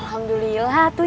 alhamdulillah tuh ya